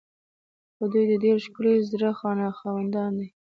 خو دوی د ډیر ښکلي زړه خاوندان دي.